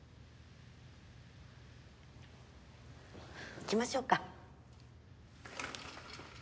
行きましょうか。